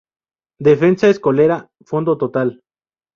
Defensa escollera fondo total.